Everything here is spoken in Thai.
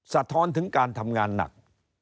สะท้อนถึงการทำงานหนัก